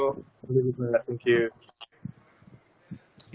terima kasih pak